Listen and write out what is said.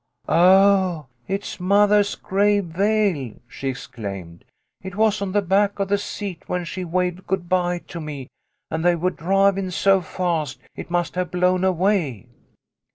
" Oh, it's mothah's gray veil !" she exclaimed. " It was on the back of the seat when she waved good bye to me, and they were drivin' so fast it must have blown away."